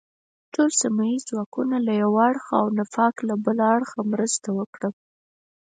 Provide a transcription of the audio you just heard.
ټول سیمه ییز ځواکونه له یو اړخه او نفاق له بل اړخه مرسته وکړه.